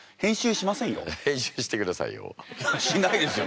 しないですよ。